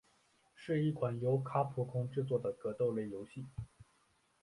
是一款由卡普空制作的格斗类游戏。